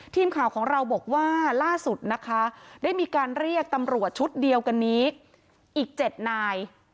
ทีมข่าวของเราบอกว่าล่าสุดนะคะได้มีการเรียกตำรวจชุดเดียวกันนี้อีก๗นาย